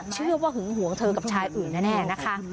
เชื่อว่าหึงหวงเธอกับชายอื่นแน่นะคะ